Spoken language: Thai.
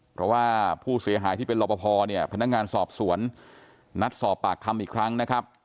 เพราะว่าผู้เสียหายที่เป็นรอปภเนี่ยพนักงานสอบสวนนัดสอบปากคำอีกครั้งนะครับ